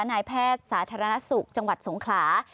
นายแพทย์สาธารณสุขจังหวัดสงขลา